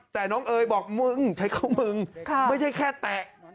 แต่น้องเอ๋ยบอกมึงใช้ข้อมึงไม่ใช่แค่แตะ